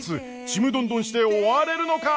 ちむどんどんして終われるのか！？